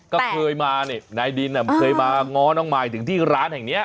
ก็เคยมานี่นายดินเคยมาง้อน้องมายถึงที่ร้านแห่งนี้